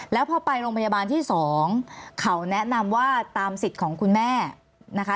แล้วพอไปโรงพยาบาลที่๒เขาแนะนำว่าตามสิทธิ์ของคุณแม่นะคะ